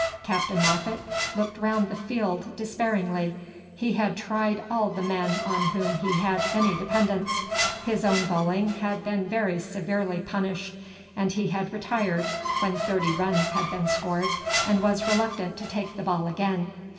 Captain Moffat looked round the field despairingly. He had tried all the men on whom he had any dependence. His own bowling had been very severely punished, and he had retired when thirty runs had been scored and was reluctant to take the ball again.